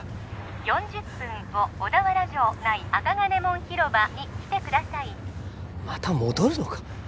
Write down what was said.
４０分後小田原城内銅門広場に来てくださいまた戻るのか？